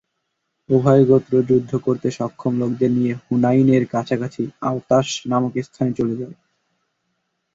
উভয় গোত্র যুদ্ধ করতে সক্ষম লোকদের নিয়ে হুনাইনের কাছাকাছি আওতাস নামক স্থানে চলে যায়।